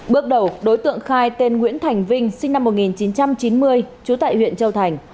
bước đầu đối tượng khai tên nguyễn thành vinh sinh năm một nghìn chín trăm chín mươi trú tại huyện châu thành